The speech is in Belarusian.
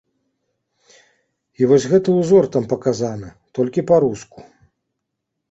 І вось гэты ўзор там паказаны толькі па-руску.